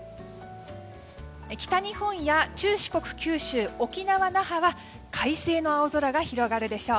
北日本や中四国九州・沖縄の那覇は快晴の青空が広がるでしょう。